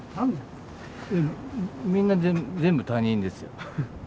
みんな全部他人ですよ